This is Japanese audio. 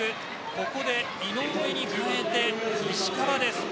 ここで井上に代えて石川です。